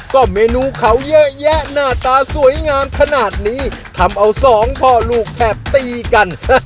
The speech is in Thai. ก็เมนูเขาเยอะแยะหน้าตาสวยงามขนาดนี้ทำเอาสองพ่อลูกแทบตีกัน